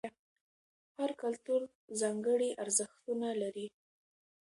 هر کلتور ځانګړي ارزښتونه لري.